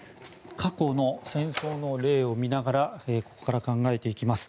過去の戦争の例を見ながら考えていきます。